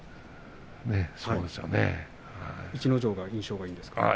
逸ノ城の印象はいいですか。